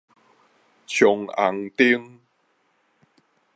衝紅燈